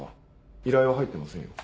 依頼は入ってませんよ。